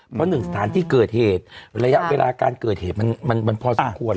เพราะหนึ่งสถานที่เกิดเหตุระยะเวลาการเกิดเหตุมันมันมันพอสักขวดแล้ว